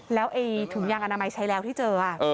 แล้วถุงยางอนามัยใช้แล้วที่เจอ